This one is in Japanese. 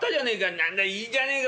「何だよいいじゃねえかよ。